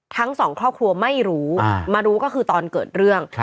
ทั้งสองครอบครัวไม่รู้มารู้ก็คือตอนเกิดเรื่อง